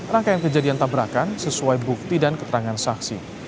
rangkaian kejadian tabrakan sesuai bukti dan keterangan saksi